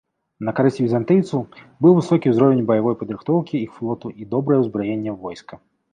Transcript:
На карысць візантыйцаў быў высокі ўзровень баявой падрыхтоўкі іх флоту і добрае ўзбраенне войска.